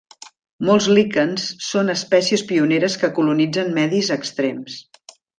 Molts líquens són espècies pioneres que colonitzen medis extrems.